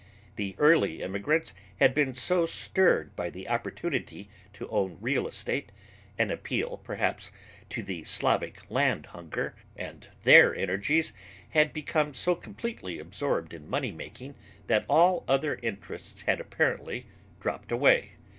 The early immigrants had been so stirred by the opportunity to own real estate, an appeal perhaps to the Slavic land hunger, and their energies had become so completely absorbed in money making that all other interests had apparently dropped away.